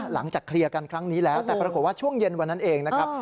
หลังจากเคลียร์กันครั้งนี้แล้วแต่ปรากฏว่าช่วงเย็นวันนั้นเองนะครับ